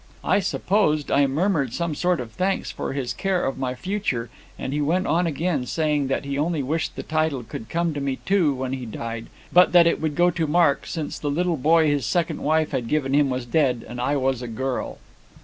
"I supposed I murmured some sort of thanks for his care of my future, and he went on again, saying that he only wished the title could come to me too, when he died; but that it would go to Mark, since the little boy his second wife had given him was dead, and I was a girl.